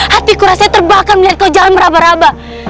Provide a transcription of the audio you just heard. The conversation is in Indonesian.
hatiku rasanya terbakar melihat kau jangan meraba raba